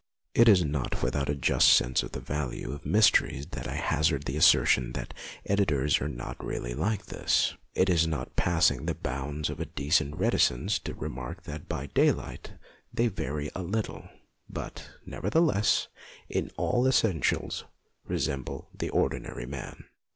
It is not without a just sense of the value of mysteries that I hazard the assertion that editors are not really like this. It is not passing the bounds of a decent reticence to remark that by daylight they vary a little, but, nevertheless, in all essentials resemble the ordinary man.